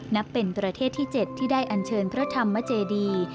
นับเป็นประเทศที่๗ที่ได้อันเชิญพระธรรมเจดี